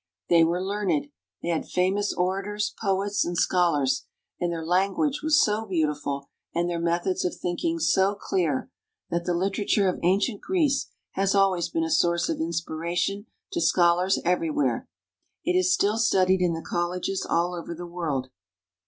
They were learned ; they had famous orators, poets, and schol ars ; and their language was so beautiful, and their methods of thinking so clear, that the literature of ancient Greece has always been a source of inspiration to scholars every where ; it is still studied in the colleges all over the world.